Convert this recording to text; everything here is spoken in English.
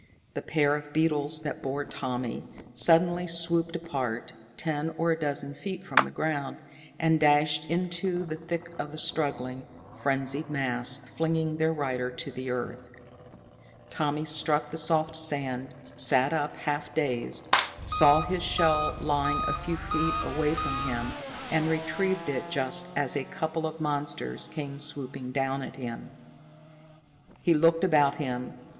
The pair of beetles that bore Tommy, suddenly swooped apart, ten or a dozen feet from the ground, and dashed into the thick of the struggling, frenzied mass, flinging their rider to earth. Tommy struck the soft sand, sat up, half dazed, saw his shell lying a few feet away from him, and retrieved it just as a couple of the monsters came swooping down at him. He looked about him.